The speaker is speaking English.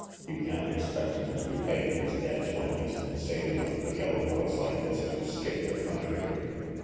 You can't expect him to be paying his debts when he's been saving up the yellow boys like this to skip the country."